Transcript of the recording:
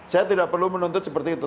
saya tidak perlu menuntut seperti itu